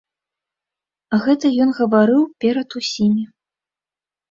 Гэта ён гаварыў перад усімі.